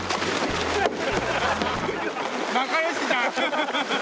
仲良しだ！